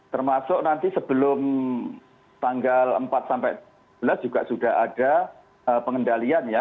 termasuk nanti sebelum tanggal empat sampai sebelas juga sudah ada pengendalian ya